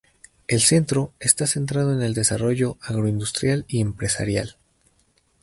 El centro está centrado en el desarrollo agroindustrial y empresarial.